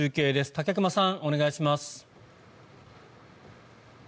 武隈さんお願いします。